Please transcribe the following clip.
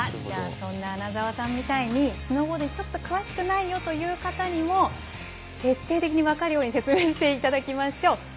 そんな穴澤さんみたいにスノーボードちょっと詳しくないよという方にも徹底的に分かるように説明していただきましょう。